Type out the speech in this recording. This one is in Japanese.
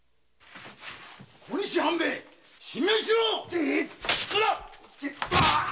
小西半兵衛神妙にしろ！